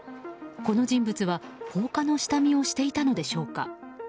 この人物は、放火の下見をしていたのでしょうか。